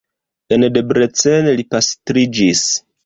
En Debrecen li pastriĝis.